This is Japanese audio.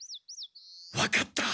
わかった！